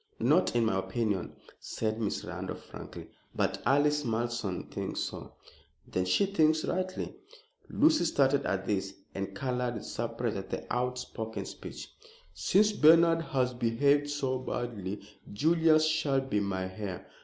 "Not in my opinion," said Miss Randolph, frankly, "but Alice Malleson thinks so." "Then she thinks rightly." Lucy started at this and colored with surprise at the outspoken speech. "Since Bernard has behaved so badly, Julius shall be my heir.